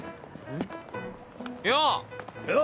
よう！